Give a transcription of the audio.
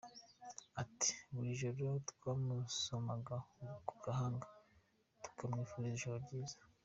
Ati “Buri joro twamusomaga ku gahanga tukamwifuriza ijoro ryiza.